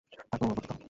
তাকেও অনুভব করতে দাও।